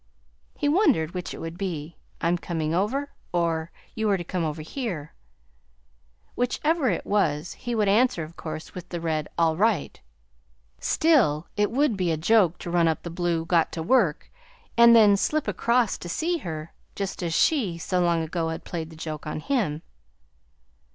He wondered which it would be: 'I'm coming over,' or, 'You are to come over here.' Whichever it was, he would answer, of course, with the red 'All right.' Still, it WOULD be a joke to run up the blue 'Got to work,' and then slip across to see her, just as she, so long ago, had played the joke on him!